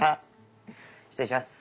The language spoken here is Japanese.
失礼します。